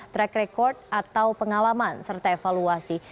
track record atau pengalaman serta evaluasi